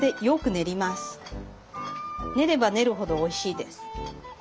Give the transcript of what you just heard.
練れば練るほどおいしいです。